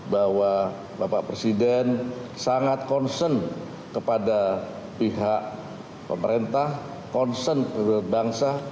bahwa bapak presiden sangat concern kepada pihak pemerintah concern kepada bangsa